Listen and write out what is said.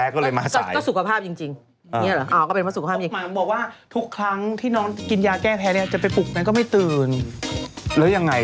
ก็สุขภาพจริง